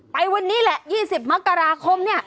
ไปวันนี้แหละ๒๐มกราคมเนี่ย